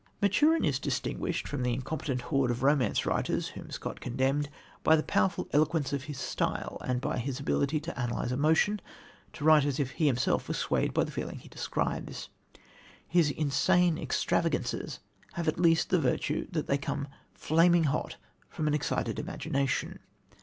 Maturin is distinguished from the incompetent horde of romance writers, whom Scott condemned, by the powerful eloquence of his style and by his ability to analyse emotion, to write as if he himself were swayed by the feeling he describes. His insane extravagances have at least the virtue that they come flaming hot from an excited imagination.